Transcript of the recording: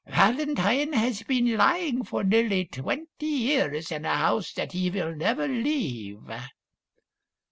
" Val entine has been lying for nearly twenty years in a house that he will never leave."